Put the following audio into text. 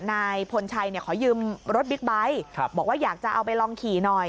นายพลชัยขอยืมรถบิ๊กไบท์บอกว่าอยากจะเอาไปลองขี่หน่อย